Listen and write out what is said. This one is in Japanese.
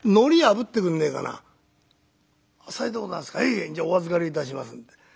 ええじゃあお預かりいたしますんで」。